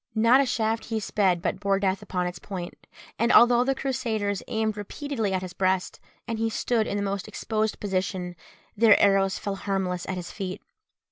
Not a shaft he sped but bore death upon its point; and although the Crusaders aimed repeatedly at his breast, and he stood in the most exposed position, their arrows fell harmless at his feet.